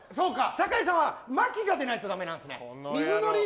酒井さんは「真紀」が出ないとダメなんですね。